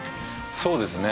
そうですね